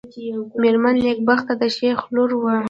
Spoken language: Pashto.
مېرمن نېکبخته د شېخ لور وه.